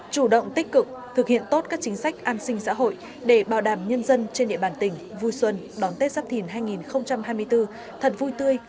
chủ động tích cực thực hiện tốt các chính sách an sinh xã hội để bảo đảm nhân dân trên địa bàn tỉnh vui xuân đón tết giáp thìn hai nghìn hai mươi bốn thật vui tươi